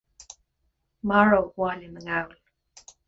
maróg Bhaile na nGall